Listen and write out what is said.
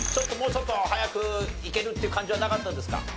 もうちょっと早くいけるっていう感じはなかったですか？